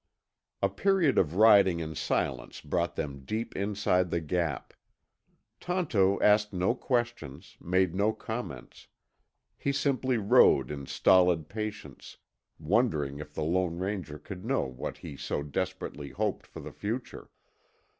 A period of riding in silence brought them deep inside the Gap. Tonto asked no questions, made no comments. He simply rode in stolid patience, wondering if the Lone Ranger could know what he so desperately hoped for the future.